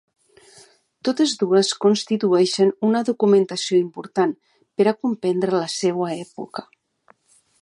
Totes dues constitueixen una documentació important per a comprendre la seua època.